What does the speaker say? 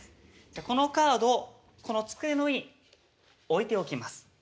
このカードをこの机の上に置いておきます。